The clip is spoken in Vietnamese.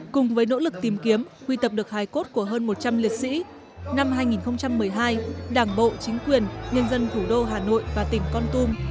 cùng với nỗ lực tìm kiếm quy tập được hài cốt của hơn một trăm linh liệt sĩ năm hai nghìn một mươi hai đảng bộ chính quyền nhân dân thủ đô hà nội và tỉnh con tum